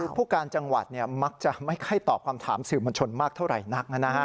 ผู้การจังหวัดมักจะไม่ค่อยตอบคำถามสื่อมวลชนมากเท่าไหร่นัก